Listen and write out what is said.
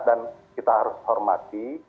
dan kita harus hormati